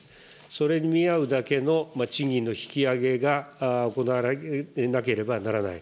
それに見合うだけの賃金の引き上げが行われなければならない。